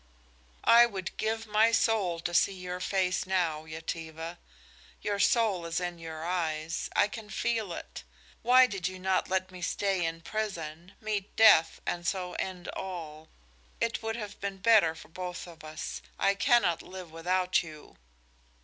"I would give my soul to see your face now, Yetive. Your soul is in your eyes; I can feel it. Why did you not let me stay in prison, meet death and so end all? It would have been better for both of us. I cannot live without you."